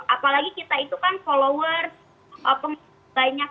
apalagi kita itu kan followers banyak